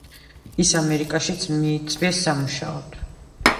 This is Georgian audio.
ის ამერიკაშიც მიიწვიეს სამუშაოდ.